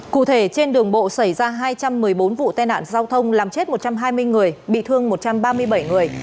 cụ thể trên đường bộ xảy ra hai trăm một mươi bốn vụ tai nạn giao thông làm chết một trăm hai mươi người bị thương một trăm ba mươi bảy người